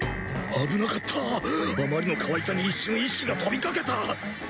危なかったあまりのかわいさに一瞬意識が飛びかけた。